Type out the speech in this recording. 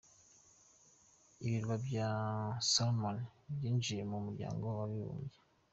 Ibirwa bya Salomo byinjiye mu muryango w’abibumbye.